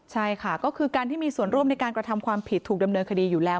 ใช่ค่ะก็คือการที่มีส่วนร่วมในการกระทำความผิดถูกดำเนินคดีอยู่แล้ว